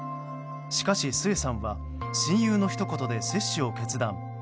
しかし末さんは親友のひと言で接種を決断。